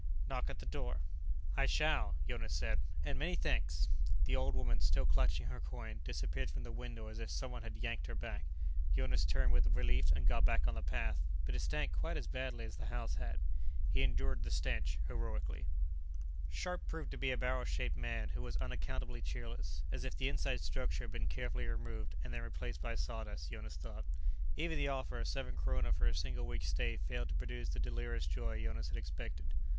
Knock at the door." "I shall," Jonas said, "and many thanks." The old woman, still clutching her coin, disappeared from the window as if someone had yanked her back. Jonas turned with relief and got back on the path, but it stank quite as badly as the house had. He endured the stench heroically. Scharpe proved to be a barrel shaped man who was unaccountably cheerless, as if the inside structure had been carefully removed, and then replaced by sawdust, Jonas thought. Even the offer of seven kroner for a single week's stay failed to produce the delirious joy Jonas had expected.